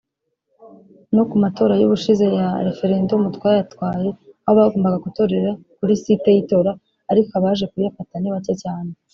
no kumatora yubushize ya Referendumu twayatwaye aho bagombaga gutorere kuri (site yitora) ariko abaje kuyafata nibake cyane